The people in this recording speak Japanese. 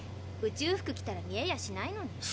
宇宙服着たら見えやしないのに。